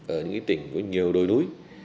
ở những tỉnh có nhiều đồi núi